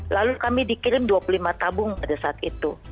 lalu kami dikirim dua puluh lima tabung pada saat itu